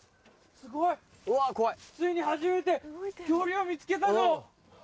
ついに初めて恐竜を見つけたぞ。